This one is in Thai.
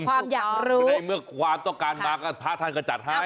ในเมื่อความต้องการมาพระท่านก็จัดให้